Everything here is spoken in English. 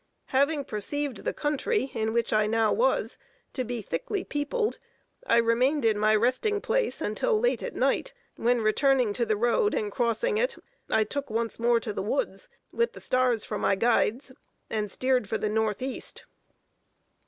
Having perceived the country in which I now was to be thickly peopled, I remained in my resting place until late at night, when returning to the road and crossing it, I took once more to the woods, with the stars for my guides, and steered for the northeast.